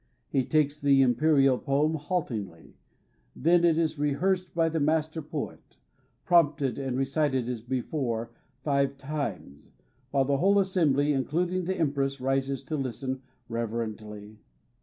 He takes the imperial poem haltingly. Then it is rehearsal by the Master poet, prompted, and recited as before, five times, while the whole assembly including the Empress rises to listen reverently.